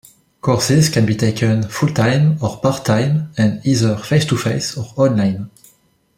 Courses can be taken full-time or part-time and either face-to-face or online.